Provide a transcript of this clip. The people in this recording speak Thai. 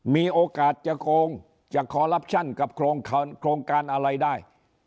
มีโอกาสจะโกงจะคอลลับชั่นกับโครงการอะไรได้